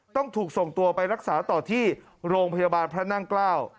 ต้องถูกส่งตัวไปรักษาต่อที่โรงพยาบาลพระนั่งเกล้า